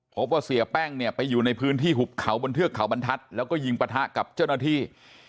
พบว่าเสียแป้งเนี่ยไปอยู่ในพื้นที่หุบเขาบนเทือกเขาบรรทัศน์แล้วก็ยิงปะทะกับเจ้าหน้าที่